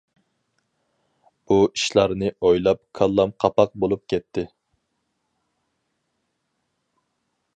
بۇ ئىشلارنى ئويلاپ كاللام قاپاق بولۇپ كەتتى.